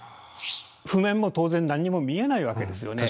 譜面も当然何にも見えないわけですよね。